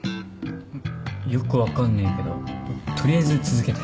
よく分かんねえけど取りあえず続けて。